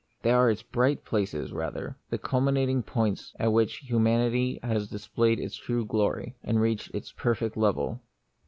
They are its bright places rather, the culmi nating points at which humanity has displayed its true glory, and reached its perfect level.